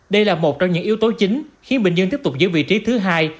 đây là một trong những yếu tố chính khiến bình dương tiếp tục giữ vị trí thứ hai